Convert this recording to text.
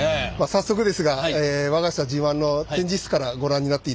早速ですが我が社自慢の展示室からご覧になっていただきたいと思います。